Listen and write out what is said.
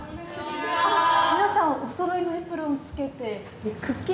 皆さんおそろいのエプロン着けて。